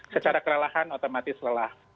secara kelelahan otomatis lelah